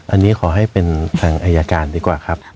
อันนี้ขอให้เป็นทางอายการดีกว่าครับ